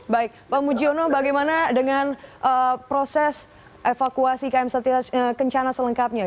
baik pak mujiono bagaimana dengan proses evakuasi km satya kencana selengkapnya